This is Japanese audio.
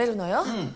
うん。